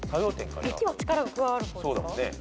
「力」は力が加わる方ですか？